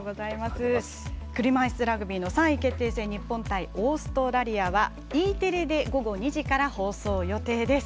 車いすラグビーの３位決定戦日本対オーストラリアはＥテレで午後２時から放送予定です。